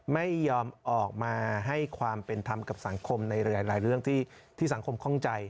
ไม่ยอมออกมาให้ความเป็นธรรมกับสังคมในหลายเรื่องที่สังคมข้องใจ